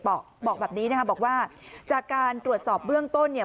บอกแบบนี้นะคะบอกว่าจากการตรวจสอบเบื้องต้นเนี่ย